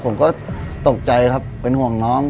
ผมก็ตกใจครับเป็นห่วงน้อง